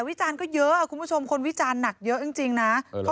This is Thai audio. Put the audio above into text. วิจารณ์ก็เยอะคุณผู้ชมคนวิจารณ์หนักเยอะจริงนะ